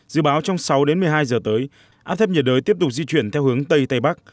dự báo trong sáu đến một mươi hai giờ tới áp thấp nhiệt đới tiếp tục di chuyển theo hướng tây tây bắc